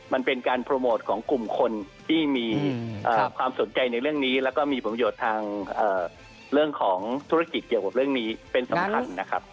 มันเป็นการโปรโมทของกลุ่มคนที่มีความสนใจในเรื่องนี้แล้วก็มีประโยชน์ทางเรื่องของธุรกิจเกี่ยวกับเรื่องนี้เป็นสำคัญนะครับ